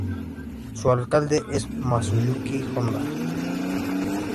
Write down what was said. Su alcalde es Masayuki Honda.